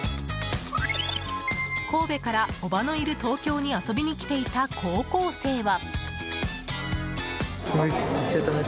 神戸から、叔母のいる東京に遊びに来ていた高校生は。